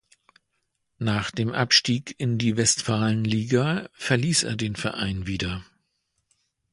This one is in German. Nach dem Abstieg in die Westfalenliga verließ er den Verein wieder.